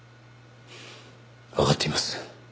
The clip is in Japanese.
わかっています。